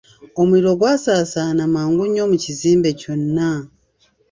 Omuliro gwasaasaana mangu nnyo mu kizimbe kyonna.